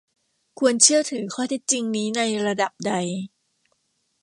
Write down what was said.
ควรเชื่อถือข้อเท็จจริงนี้ในระดับใด